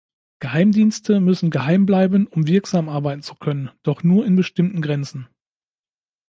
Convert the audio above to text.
Geheimdienste müssen geheim bleiben, um wirksam arbeiten zu können, doch nur in bestimmten Grenzen.